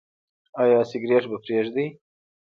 ایا سګرټ به پریږدئ؟